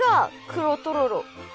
黒とろろ。